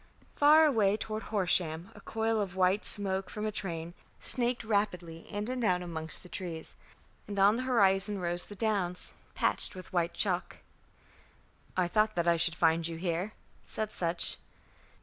Far away toward Horsham a coil of white smoke from a train snaked rapidly in and out amongst the trees; and on the horizon rose the Downs, patched with white chalk. "I thought that I should find you here," said Sutch.